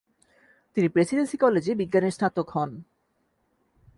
তিনি প্রেসিডেন্সি কলেজে বিজ্ঞানের স্নাতক হন।